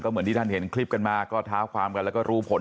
เหมือนที่ท่านเห็นคลิปกันมาก็ท้าความกันแล้วก็รู้ผล